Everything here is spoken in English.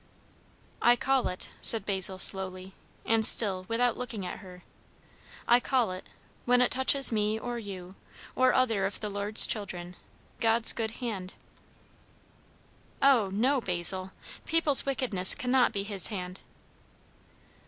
"I call it," said Basil slowly, and still without looking at her, "I call it, when it touches me or you, or other of the Lord's children, God's good hand." "O no, Basil! people's wickedness cannot be his hand."